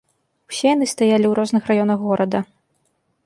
Усе яны стаялі ў розных раёнах горада.